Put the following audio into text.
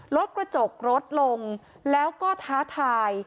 รถกระจกรถลงแล้วก็ท้าทาย